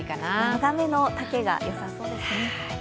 長めの丈がよさそうですね。